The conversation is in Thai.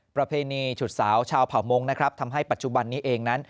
ประเพณีฉุดสาวชาวเผ่ามงค์นะครับทำให้ปัจจุบันนี้เองนั้น